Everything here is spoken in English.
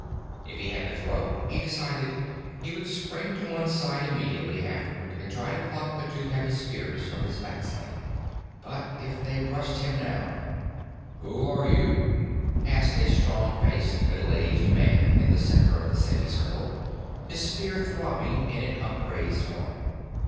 If he had to throw, he decided, he would spring to one side immediately afterward and try to pluck the two heavy spears from his back sling. But if they rushed him right now "Who are you?" asked a strong faced, middle aged man in the center of the semi circle, his spear throbbing in an upraised arm.